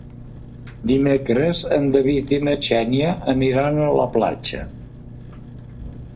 Dimecres en David i na Xènia iran a la platja.